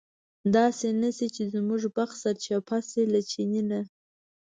داسې نه شي چې زموږ بخت سرچپه شي له چیني نه.